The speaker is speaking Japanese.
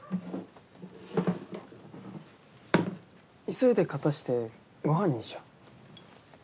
急いで片してご飯にしよ。